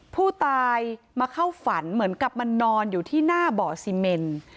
ผู้ตายมาเข้าฝันเหมือนกับมานอนอยู่ที่หน้าบ่อซีเมน